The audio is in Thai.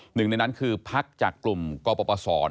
หนึ่งในนั้นคือพักจากกลุ่มกปศ